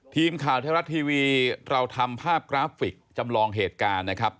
ทีมข่าวไทยรัฐทีวีเราทำภาพกราฟิกจำลองเหตุการณ์นะครับ